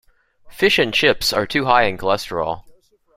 Fish and chips are too high in cholesterol.